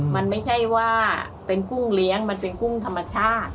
มันไม่ใช่ว่าเป็นกุ้งเลี้ยงมันเป็นกุ้งธรรมชาติ